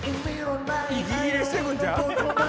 息切れしてくるんちゃう？